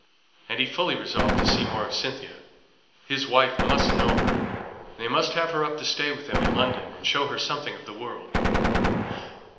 And he fully resolved to see more of Cynthia; his wife must know her; they must have her up to stay with them in London, and show her something of the world.